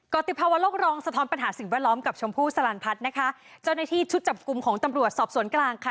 ติภาวะโลกรองสะท้อนปัญหาสิ่งแวดล้อมกับชมพู่สลันพัฒน์นะคะเจ้าหน้าที่ชุดจับกลุ่มของตำรวจสอบสวนกลางค่ะ